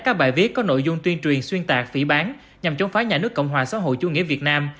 các bài viết có nội dung tuyên truyền xuyên tạc phỉ bán nhằm chống phá nhà nước cộng hòa xã hội chủ nghĩa việt nam